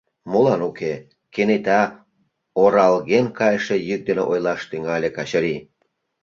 — Молан уке, — кенета оралген кайше йӱк дене ойлаш тӱҥале Качырий.